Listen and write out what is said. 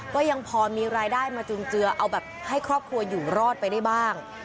ก็ยังพอมีรายได้มาจุนเจือเอาแบบให้ครอบครัวอยู่รอดไปได้บ้าง